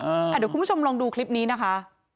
เดี๋ยวคุณผู้ชมลองดูคลิปนี้นะคะ